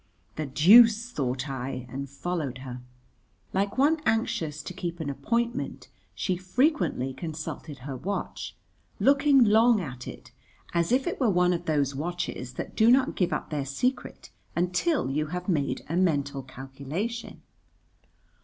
"The deuce!" thought I, and followed her. Like one anxious to keep an appointment, she frequently consulted her watch, looking long at it, as if it were one of those watches that do not give up their secret until you have made a mental calculation.